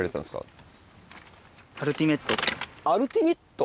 アルティメット？